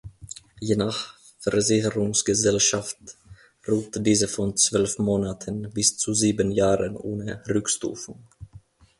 Je nach Versicherungsgesellschaft ruht diese von zwölf Monaten bis zu sieben Jahren ohne Rückstufung.